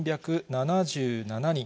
２３７７人。